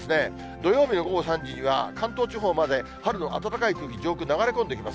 土曜日の午後３時には、関東地方まで春の暖かい空気、上空に流れ込んできます。